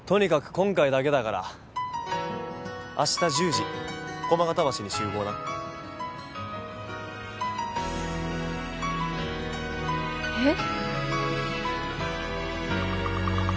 今回だけだから明日１０時駒形橋に集合なえっ？